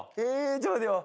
ちょっと待ってよ。